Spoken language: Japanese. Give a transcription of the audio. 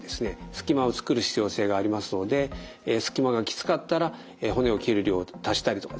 隙間を作る必要性がありますので隙間がきつかったら骨を切る量を足したりとかですね